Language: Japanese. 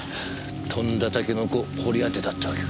とんだタケノコ掘り当てたってわけか。